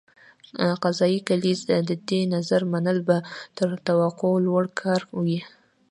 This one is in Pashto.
قاضي کالینز د دې نظر منل به تر توقع لوړ کار وي.